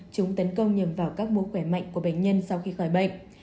chúng tấn công nhầm vào các mối khỏe mạnh của bệnh nhân sau khi khỏi bệnh